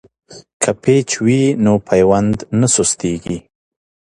که پیچ وي نو پیوند نه سستیږي.